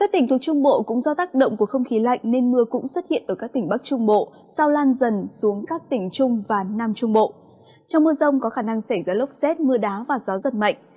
trong mưa rông có khả năng xảy ra lốc xét mưa đá và gió giật mạnh